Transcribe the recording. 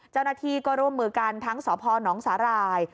เจ้าหน้าที่ก็ร่วมมือกันทั้งสพนสาหร่าย